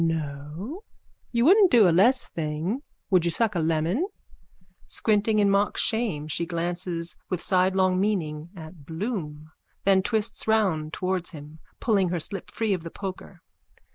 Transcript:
_ No? You wouldn't do a less thing. Would you suck a lemon? _(Squinting in mock shame she glances with sidelong meaning at Bloom, then twists round towards him, pulling her slip free of the poker.